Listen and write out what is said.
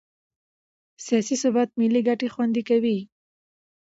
سیاسي ثبات ملي ګټې خوندي کوي